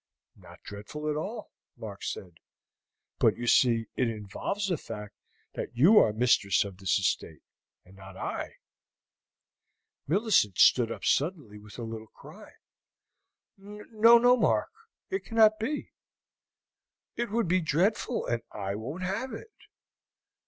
"Not dreadful at all," Mark said. "But you see it involves the fact that you are mistress of this estate, and not I." Millicent stood up suddenly with a little cry. "No, no, Mark, it cannot be! It would be dreadful, and I won't have it.